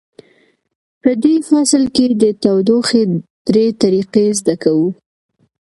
په دې فصل کې د تودوخې درې طریقې زده کوو.